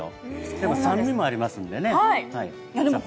でも酸味もありますんでね、さっぱり。